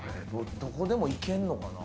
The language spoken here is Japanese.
どこでもいけんのかな？